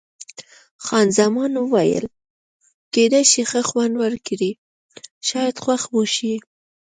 خان زمان وویل: کېدای شي ښه خوند وکړي، شاید خوښ مو شي.